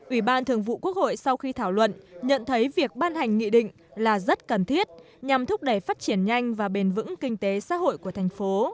ủy ban thường vụ quốc hội sau khi thảo luận nhận thấy việc ban hành nghị định là rất cần thiết nhằm thúc đẩy phát triển nhanh và bền vững kinh tế xã hội của thành phố